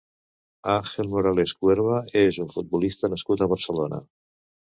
Àngel Morales Cuerva és un futbolista nascut a Barcelona.